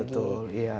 betul betul ya